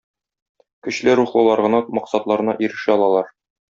Көчле рухлылар гына максатларына ирешә алалар.